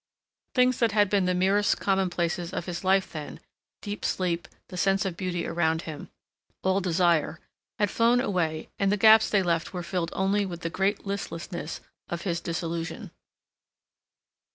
Things that had been the merest commonplaces of his life then, deep sleep, the sense of beauty around him, all desire, had flown away and the gaps they left were filled only with the great listlessness of his disillusion.